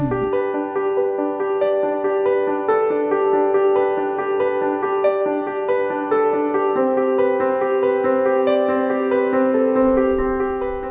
kemudian dikumpulkan di tempat lain